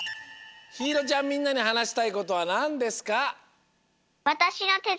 ひいろちゃんみんなにはなしたいことはなんですか？